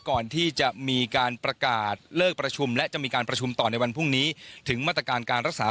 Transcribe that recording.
ก่อนที่จะมีการประกาศเลิกประชุมและจะมีการประชุมต่อในวันพรุ่งนี้ถึงมาตรการการรักษา